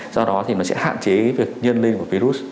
do đó thì nó sẽ hạn chế việc nhân lên của virus